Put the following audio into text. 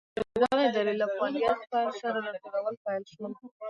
د دغې ادارې له فعالیت پیل سره راټولول پیل شول.